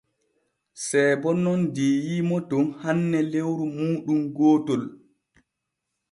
Seebo nun diiyiimo ton hanne lewru muuɗum gootol.